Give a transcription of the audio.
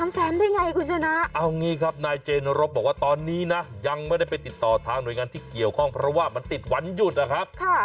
ได้ไงคุณชนะเอางี้ครับนายเจนรบบอกว่าตอนนี้นะยังไม่ได้ไปติดต่อทางหน่วยงานที่เกี่ยวข้องเพราะว่ามันติดวันหยุดนะครับ